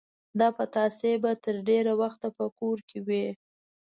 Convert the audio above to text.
دا پتاسې به تر ډېر وخت په کور کې وې.